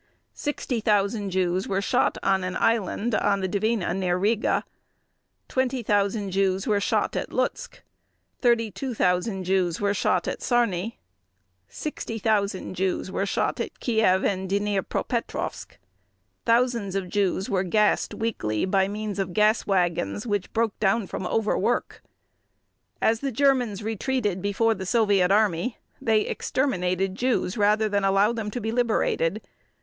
60,000 Jews were shot on an island on the Dvina near Riga. 20,000 Jews were shot at Lutsk. 32,000 Jews were shot at Sarny. 60,000 Jews were shot at Kiev and Dniepropetrovsk. Thousands of Jews were gassed weekly by means of gas wagons which broke down from overwork. As the Germans retreated before the Soviet Army they exterminated Jews rather than allow them to be liberated.